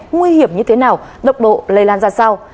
nguy hiểm như thế nào độc độ lây lan ra sao